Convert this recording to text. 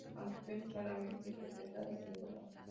Canciones Raramente Interpretadas en Europa